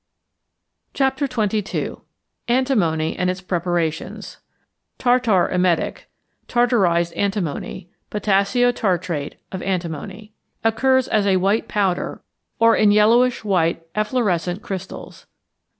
XXII. ANTIMONY AND ITS PREPARATIONS =Tartar Emetic= (tartarized antimony, potassio tartrate of antimony) occurs as a white powder, or in yellowish white efflorescent crystals.